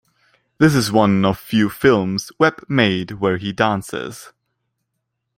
This is one of few films Webb made where he dances.